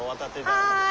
はい。